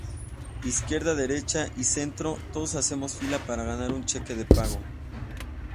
Izquierda, derecha y centro, todos hacemos fila para ganar un cheque de pago.